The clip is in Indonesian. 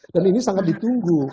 dan ini sangat ditunggu